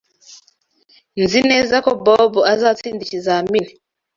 Nzi neza ko Bob azatsinda ikizamini.